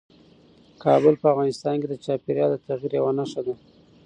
کابل په افغانستان کې د چاپېریال د تغیر یوه نښه ده.